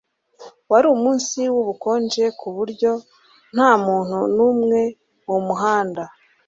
wari umunsi wubukonje kuburyo ntamuntu numwe mumuhanda